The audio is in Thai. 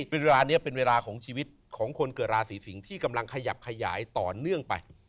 เวลานี้เป็นเวลาของชีวิตของคนเกิดราศีสิงศ์ที่กำลังขยับขยายต่อเนื่องไป